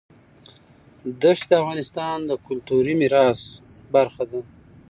ښتې د افغانستان د کلتوري میراث برخه ده.